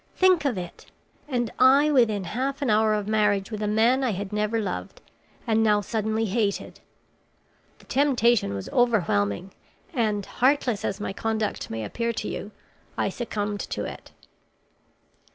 Think of it! And I within half an hour of marriage with a man I had never loved and now suddenly hated. The temptation was overwhelming, and heartless as my conduct may appear to you, I succumbed to it.